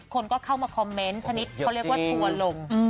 คนก็เข้ามาคอมเมนต์ชนิดเขาเรียกว่าทัวร์ลง